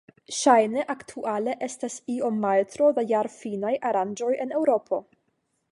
Ŝajne aktuale estas iom maltro da jarfinaj aranĝoj en Eŭropo.